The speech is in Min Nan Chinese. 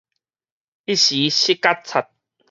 一時失覺察